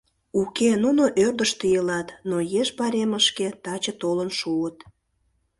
— Уке, нуно ӧрдыжтӧ илат, но еш пайремышке таче толын шуыт.